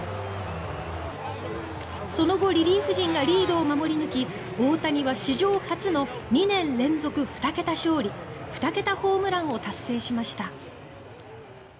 その後、リリーフ陣がリードを守り抜き大谷は史上初の２年連続２桁勝利２桁ホームランを達成しました。